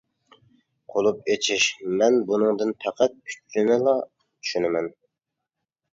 قۇلۇپ ئېچىش مەن بۇنىڭدىن پەقەت ئۈچىنىلا چۈشىنىمەن.